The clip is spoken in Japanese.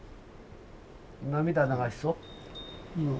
涙流しそう？